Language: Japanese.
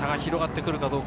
差が広がってくるかどうか。